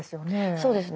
そうですね。